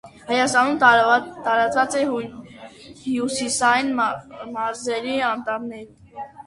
Հայաստանում տարածված է հյուսիսային մարզերի անտառներում։